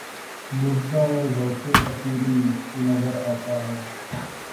مُژدہ ، اے ذَوقِ اسیری! کہ نظر آتا ہے